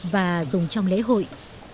và dùng trong lễ hội